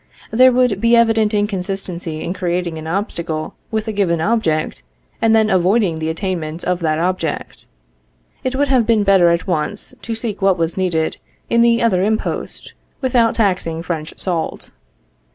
There would be evident inconsistency in creating an obstacle with a given object, and then avoiding the attainment of that object. It would have been better at once to seek what was needed in the other impost without taxing French salt.